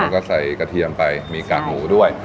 แล้วก็ใส่กระเทียมไปมีกากหมูด้วย